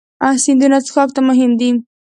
سیندونه څښاک ته مهم دي.